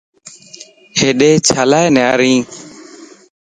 ھيڏي ڇيلاتي نارين؟